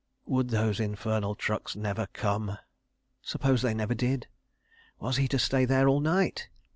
... Would those infernal trucks never come? Suppose they never did? Was he to stay there all night?